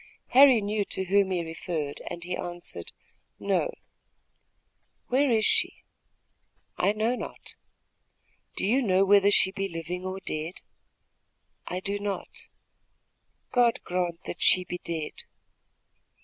Harry knew to whom he referred, and he answered: "No." "Where is she?" "I know not." "Do you know whether she be living or dead?" "I do not." "God grant that she be dead!"